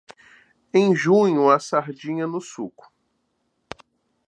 Em junho, a sardinha no suco.